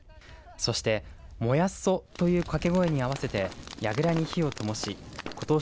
そして、もやっそという掛け声に合わせてやぐらに火をともしことし